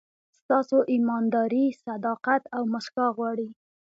ستاسو ایمانداري، صداقت او موسکا غواړي.